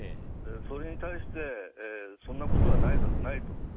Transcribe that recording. それに対してそんなことはないと。